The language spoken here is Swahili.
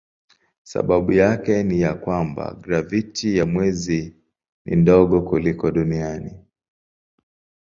Sababu yake ni ya kwamba graviti ya mwezi ni ndogo kuliko duniani.